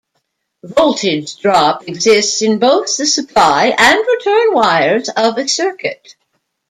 Voltage drop exists in both the supply and return wires of a circuit.